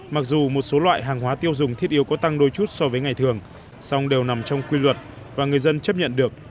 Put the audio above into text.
mặc dù một số loại hàng hóa tiêu dùng thiết yếu có tăng đôi chút so với ngày thường song đều nằm trong quy luật và người dân chấp nhận được